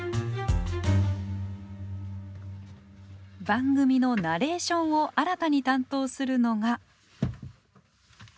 番組のナレーションを新たに担当するのが。